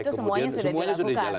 itu semuanya sudah dilakukan